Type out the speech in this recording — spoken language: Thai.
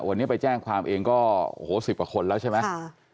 วันนี้ไปแจ้งความเองก็โอ้โห๑๐กว่าคนแล้วใช่ไหม